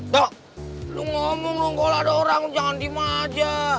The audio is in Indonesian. dok lo ngomong dong kalau ada orang jangan dimaja